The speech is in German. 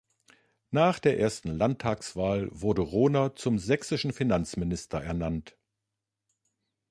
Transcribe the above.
Nach der ersten Landtagswahl wurde Rohner zum sächsischen Finanzminister ernannt.